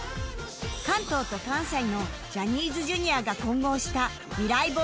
関東と関西のジャニーズ Ｊｒ． が混合したミライ Ｂｏｙｓ